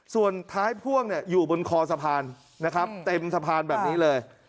ส่วนท้ายพ่วงอยู่บนคอสะพานนะครับเต็มสะพานแบบนี้เลย